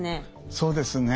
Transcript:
そうですね。